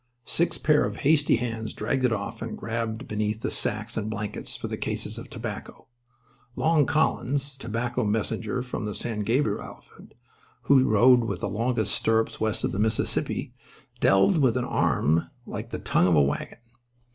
Six pair of hasty hands dragged it off and grabbled beneath the sacks and blankets for the cases of tobacco. Long Collins, tobacco messenger from the San Gabriel outfit, who rode with the longest stirrups west of the Mississippi, delved with an arm like the tongue of a wagon.